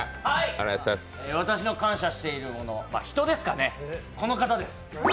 私の感謝しているもの人ですかね、この方です。